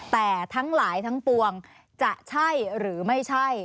แต่ทั้งหลายทั้งปวงจะใช่หรือไม่ใช่